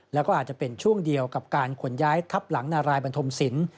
แล้วก็อาจจะเป็นช่วงเดียวกับการขนย้ายทับหลังนารายบันทมศิลป